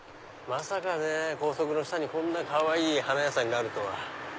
まさかね高速の下にこんなかわいい花屋さんがあるとは。